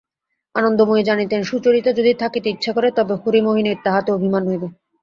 আনন্দময়ী জানিতেন সুচরিতা যদি থাকিতে ইচ্ছা করে তবে হরিমোহিনীর তাহাতে অভিমান হইবে।